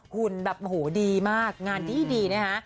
คุณดีมากงานดีนะฮะ